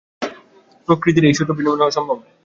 প্রকৃতির এই সূত্র ভিন্ন হওয়া সম্ভব নয়।